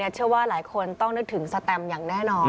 เชื่อว่าหลายคนต้องนึกถึงสแตมอย่างแน่นอน